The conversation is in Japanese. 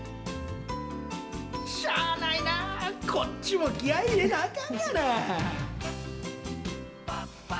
しゃあないな、こっちも気合い入れなあかんがな。